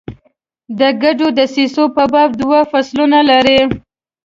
د ګډو دسیسو په باب دوه فصلونه لري.